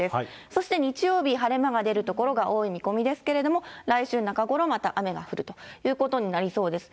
そして日曜日、晴れ間が出る所が多い見込みですけれども、来週中ごろ、また雨が降るということになりそうです。